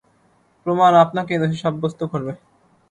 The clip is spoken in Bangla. প্রমাণ আপনাকেই দোষী সাব্যস্ত করবে।